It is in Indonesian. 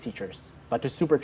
tetapi untuk menggantikan mereka